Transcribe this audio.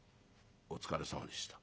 「お疲れさまでした。